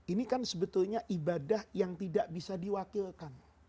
ini kan sebetulnya ibadah yang tidak bisa diwakilkan